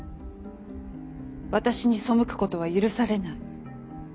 私に背くことは許されない。